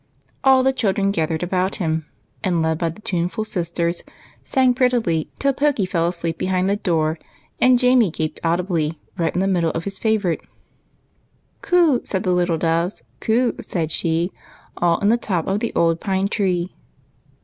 All the children gathered about him, and, led by the tuneful sisters, sang prettily till Pokey fell asleep behind the door, and Jamie gaped audibly right in the middle of his favorite, —" Coo," said the little doves :" Coo," said she, " All in the top of the old pine tree."